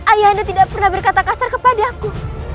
ayahanda tidak pernah berkata kasar kepada aku